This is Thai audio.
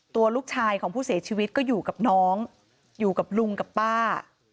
ตัวลูกชายของผู้เสียชีวิตก็อยู่กับน้องอยู่กับลุงกับป้า